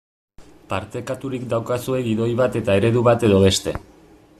Partekaturik daukazue gidoi bat eta eredu bat edo beste.